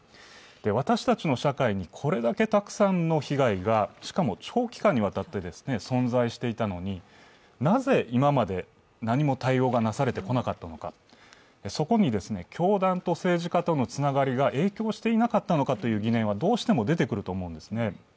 私たちの社会にこれだけたくさんの被害が、しかも長期間にわたって存在していたのに、なぜ今まで何も対応がなされてこなかったのか、そこに教団と政治家とのつながりが影響していなかったのかという疑念はどうしても出てくると思うんですね。